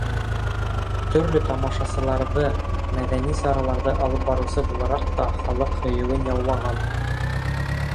Төрлө тамашасыларҙы, мәҙәни сараларҙы алып барыусы булараҡ та халыҡ һөйөүен яулаған.